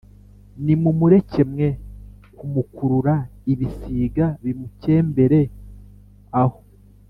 Nimumureke mwe kumukurura ibisiga bimukembere aho.